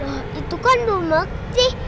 wah itu kan rumek sih